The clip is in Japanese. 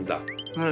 はい。